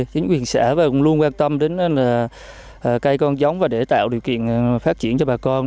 chính quyền xã và cũng luôn quan tâm đến cây con giống và để tạo điều kiện phát triển cho bà con